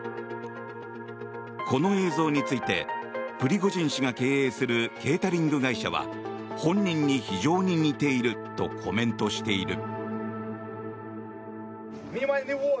この映像についてプリゴジン氏が経営するケータリング会社は本人に非常に似ているとコメントしている。